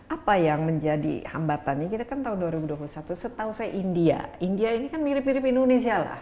apa yang menjadi hambatannya kita kan tahun dua ribu dua puluh satu setahu saya india india ini kan mirip mirip indonesia lah